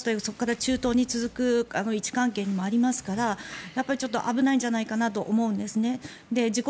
そこから中東に続いていく位置関係にありますからやっぱり危ないんじゃないかなと思うんですね。